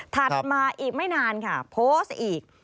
มาอีกไม่นานค่ะโพสต์อีก